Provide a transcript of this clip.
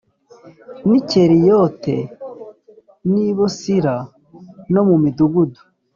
N i keriyoti n i bosira no mu midugudu